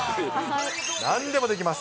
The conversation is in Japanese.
なんでもできます。